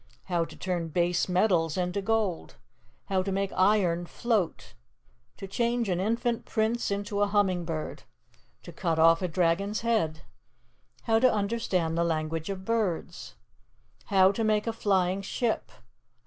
HOW TO TURN BASE METALS INTO GOLD. HOW TO MAKE IRON FLOAT. TO CHANGE AN INFANT PRINCE INTO A HUMMING BIRD. TO CUT OFF A DRAGON'S HEAD. HOW TO UNDERSTAND THE LANGUAGE OF BIRDS. HOW TO MAKE A FLYING SHIP."